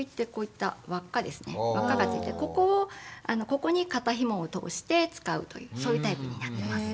ここに肩ひもを通して使うというそういうタイプになっています。